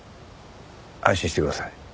安心してください。